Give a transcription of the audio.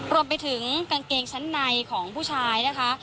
รวมไปถึงกางเกงชั้นในของผู้ชายนะคะ